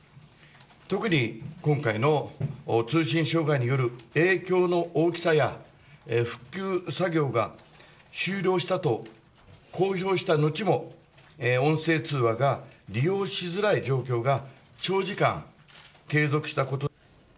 特に今回の通信障害による影響の大きさや、復旧作業が終了したと公表した後も、音声通話が利用しづらい状況が、長時間継続したこと。